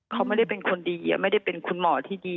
เขาไม่ได้เป็นคนดีไม่ได้เป็นคุณหมอที่ดี